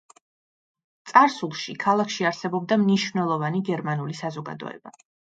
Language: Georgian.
წარსულში, ქალაქში არსებობდა მნიშვნელოვანი გერმანული საზოგადოება.